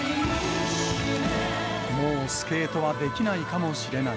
もうスケートはできないかもしれない。